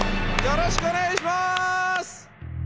よろしくお願いします！